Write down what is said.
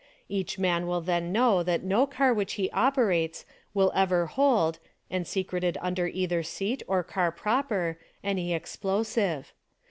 Each man will then know that no car which he operates will ever hold, and secreted under either seat or car proper, any explosive.